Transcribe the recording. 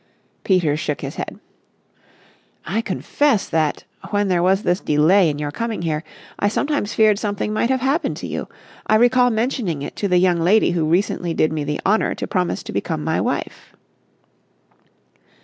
Peters shook his head. "I confess that, when there was this delay in your coming here, I sometimes feared something might have happened to you. I recall mentioning it to the young lady who recently did me the honour to promise to become my wife."